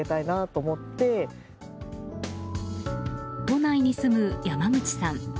都内に住む、山口さん。